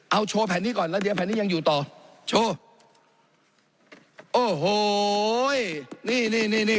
เอาโชว์แผ่นนี้ก่อนแล้วเดี๋ยวแผ่นนี้ยังอยู่ต่อโชว์โอ้โหนี่นี่นี่